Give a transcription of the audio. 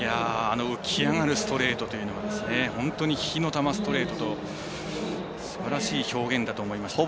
浮き上がるストレートというのは本当に火の玉ストレートというすばらしい表現だと思いますが。